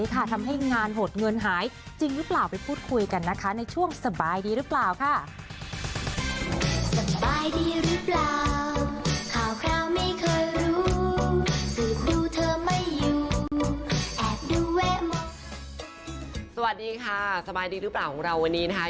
สวัสดีค่ะสบายดีหรือเปล่าของเราวันนี้นะคะ